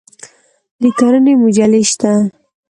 د کرنې مجلې شته؟